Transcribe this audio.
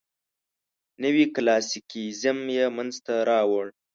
نوي کلاسیکیزم یې منځ ته راوړ.